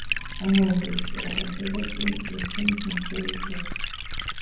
ანალოგიური სიტუაცია არსებობდა კიმ ირ სენის მმართველობის დროს.